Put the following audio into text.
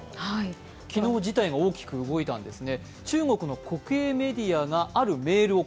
昨日、事態が大きく動いたんですね。